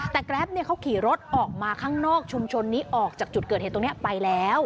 แต่แกรปเขาขี่รถออกมาข้างนอกชุมชนนี้ออกจากจุดเกิดเหตุตรงนี้ไปแล้ว